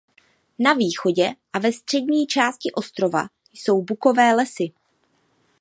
Na východě a ve střední části ostrova jsou bukové lesy.